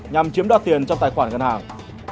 nhằm chiếm đoạt tiền trong tài khoản ngân hàng